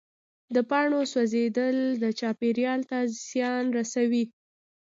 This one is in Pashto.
د پاڼو سوځېدل چاپېریال ته زیان رسوي.